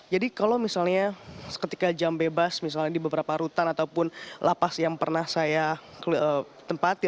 jadi kalau misalnya seketika jam bebas misalnya di beberapa rutan ataupun lapas yang pernah saya tempatkan